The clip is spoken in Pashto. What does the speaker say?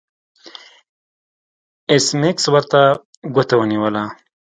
ایس میکس ورته ګوته ونیوله